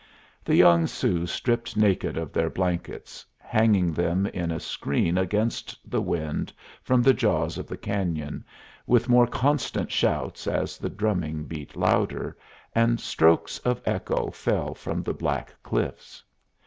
The young Sioux stripped naked of their blankets, hanging them in a screen against the wind from the jaws of the cañon, with more constant shouts as the drumming beat louder, and strokes of echo fell from the black cliffs.